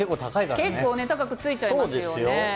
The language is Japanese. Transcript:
結構高くついちゃいますよね。